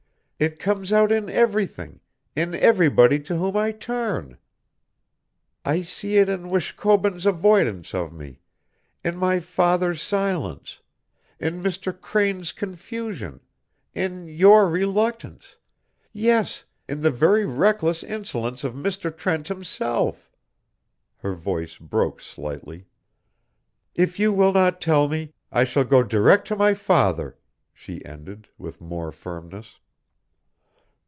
It comes out in everything, in everybody to whom I turn. I see it in Wishkobun's avoidance of me, in my father's silence, in Mr. Crane's confusion, in your reluctance yes, in the very reckless insolence of Mr. Trent himself!" her voice broke slightly. "If you will not tell me, I shall go direct to my father," she ended, with more firmness.